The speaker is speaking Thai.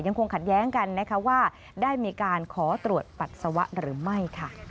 คงขัดแย้งกันนะคะว่าได้มีการขอตรวจปัสสาวะหรือไม่